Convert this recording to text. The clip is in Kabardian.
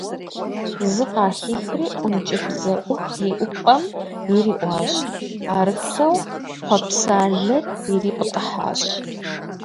Зы къахихри ӀункӀыбзэӀух иӀупӀэм ириӀуащ, арыххэу… хъуэпсалэр ирипӀытӀыхьащ.